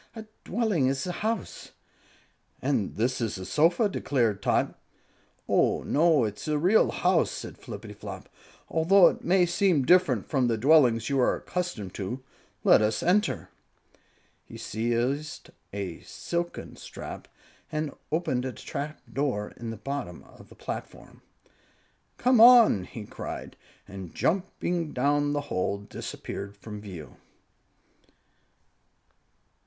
"A dwelling is a house." "And this is a sofa!" declared Tot. "Oh, no; it's a real house," said Flippityflop, "although it may be different from the dwellings you are accustomed to. Let us enter." He seized a silken strap and opened a trap door in the top of the platform. "Come on!" he cried, and jumping down the hole, disappeared from view.